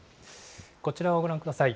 こちらをご覧ください。